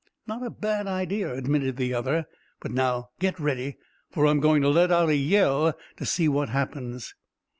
"Not a bad idea," admitted the other; "but now get ready, for I'm going to let out a yell to see what happens."